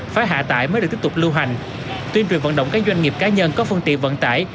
phá hạ tải mới được tiếp tục lưu hành tuyên truyền vận động các doanh nghiệp cá nhân có phương tiện vận tải